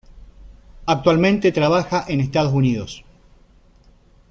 Actualmente trabaja en Estados Unidos.